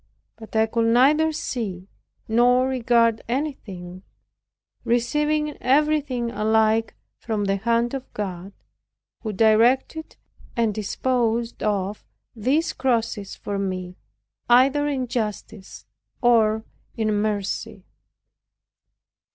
But I could neither see nor regard anything, receiving everything alike from the hand of God, who directed and disposed of these crosses for me either in justice or in mercy.